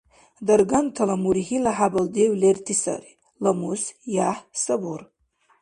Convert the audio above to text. Даргантала мургьила хӀябал дев лерти сари: ламус, яхӀ, сабур.